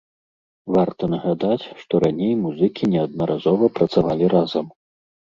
Варта нагадаць, што раней музыкі неаднаразова працавалі разам.